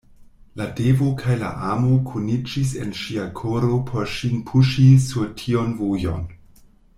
La devo kaj la amo kuniĝis en ŝia koro por ŝin puŝi sur tiun vojon.